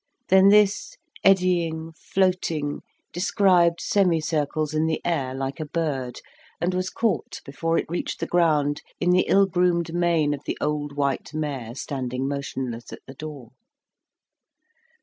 Then this, eddying, floating, described semicircles in the air like a bird, and was caught before it reached the ground in the ill groomed mane of the old white mare standing motionless at the door.